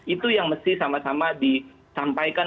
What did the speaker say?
itu yang mesti sama sama disampaikan